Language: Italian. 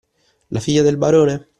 La figlia del barone?